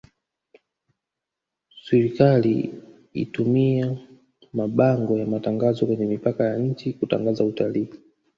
swrikali itumia mabango ya matangazo kwenye mipaka ya nchi kutangaza utalii